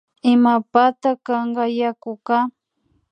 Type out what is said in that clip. Imapata kanka yakuka